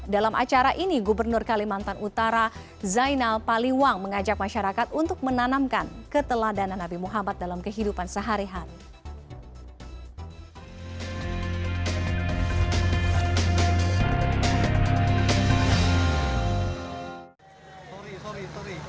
dalam acara ini gubernur kalimantan utara zainal paliwang mengajak masyarakat untuk menanamkan keteladanan nabi muhammad dalam kehidupan sehari hari